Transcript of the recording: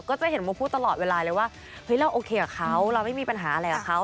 ก็จะเห็นโมพูดตลอดเวลาเลยว่าเฮ้ยเราโอเคกับเขาเราไม่มีปัญหาอะไรกับเขา